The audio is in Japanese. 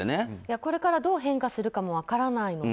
これから、どう変化するかも分からないので。